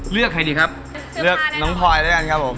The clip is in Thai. เลือกใครดีครับเลือกน้องพลอยแล้วกันครับผม